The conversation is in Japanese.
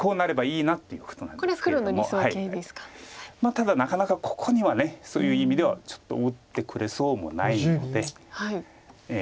ただなかなかここにはそういう意味ではちょっと打ってくれそうもないので。